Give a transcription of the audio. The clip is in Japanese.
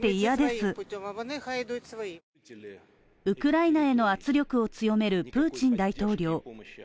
ウクライナへの圧力を強めるプーチン大統領